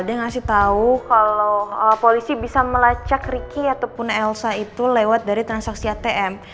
dia ngasih tahu kalau polisi bisa melacak ricky ataupun elsa itu lewat dari transaksi atm